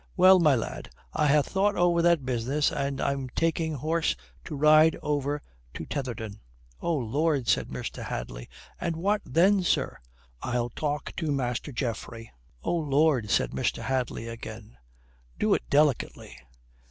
"Well, my lad, I ha' thought over that business and I'm taking horse to ride over to Tetherdown." "Oh Lord," said Mr. Hadley. "And what then, sir?" "I'll talk to Master Geoffrey." "Oh Lord," said Mr. Hadley again. "Do it delicately."